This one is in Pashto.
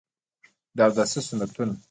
د اوداسه سنتونه: